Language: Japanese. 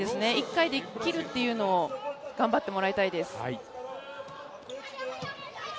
１回で切るというのを頑張ってもらいたいです。